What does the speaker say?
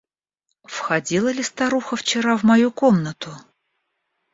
Входила ли старуха вчера в мою комнату?